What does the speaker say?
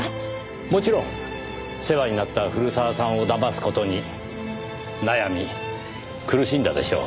もちろん世話になった古澤さんをだます事に悩み苦しんだでしょう。